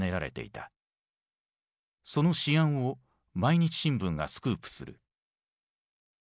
その試案を毎日新聞がスクープする。